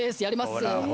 やります。